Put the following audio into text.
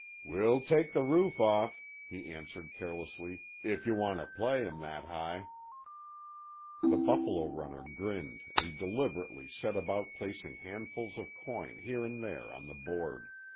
"We'll take the roof off," he answered carelessly, "if yuh want to play 'em that high." The buffalo runner grinned and deliberately set about placing handfuls of coin here and there on the board.